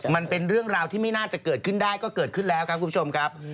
มันเป็นเรื่องราวที่ไม่น่าจะเกิดขึ้นได้ก็เกิดขึ้นแล้วครับคุณผู้ชมครับ